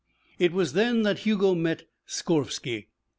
It was then that Hugo met Skorvsky.